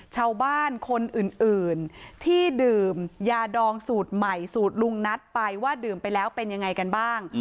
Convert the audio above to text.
ชาวบ้านคนอื่นที่ดื่มยาดองสูตรใหม่สูตรลุงนัทไปว่าดื่มไปแล้วเป็นยังไงกันบ้าง